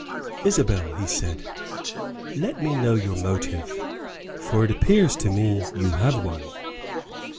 "Isabel," he said, "let me know your motive, for it appears to me you have one.